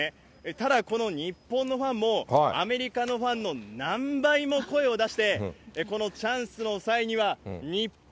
ただこの日本のファンもアメリカのファンの何倍も声を出して、このチャンスの際には日本！